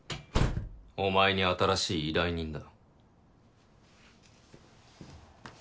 お前に新しい依頼人だ。